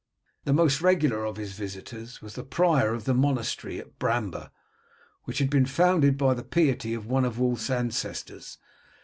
The most regular of his visitors was the prior of the monastery at Bramber, which had been founded by the piety of one of Wulf's ancestors.